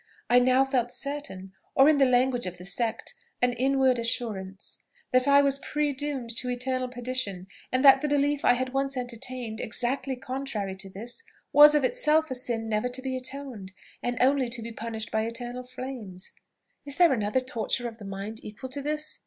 I now felt certain or, in the language of the sect, an inward assurance, that I was pre doomed to eternal perdition; and that the belief I had once entertained, exactly contrary to this, was of itself a sin never to be atoned, and only to be punished by eternal flames. Is there another torture of the mind equal to this?